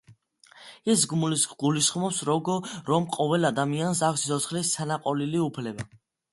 ის გულისხმობს, რომ ყოველ ადამიანს აქვს სიცოცხლის თანდაყოლილი უფლება.